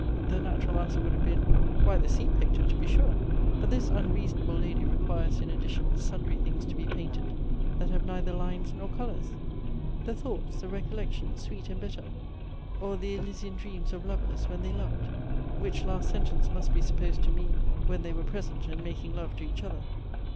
The natural answer would have been Why the scene painter to be sure! But this unreasonable lady requires in addition sundry things to be painted that have neither lines nor colours "The thoughts, the recollections, sweet and bitter, Or the Elysian dreams of lovers when they loved." Which last sentence must be supposed to mean; when they were present, and making love to each other.